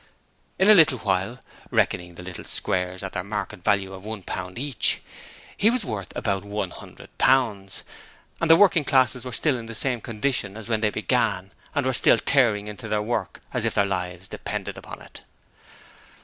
In a little while reckoning the little squares at their market value of one pound each he was worth about one hundred pounds, and the working classes were still in the same condition as when they began, and were still tearing into their work as if their lives depended upon it.